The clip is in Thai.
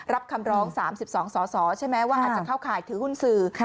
รับคำร้อง๓๒สสใช่ไหมว่าอาจจะเข้าข่ายถือหุ้นสื่อ